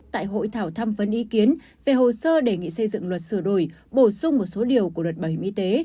tại hội thảo thăm vấn ý kiến về hồ sơ đề nghị xây dựng luật sửa đổi bổ sung một số điều của luật bảo hiểm y tế